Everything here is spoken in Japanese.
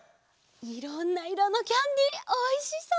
いろんないろのキャンディーおいしそう！